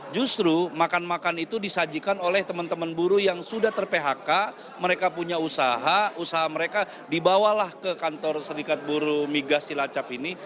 justru makan makan itu disajikan oleh teman teman buruh yang sudah ter phk mereka punya usaha usaha mereka dibawalah ke kantor serikat buruh migas cilacap ini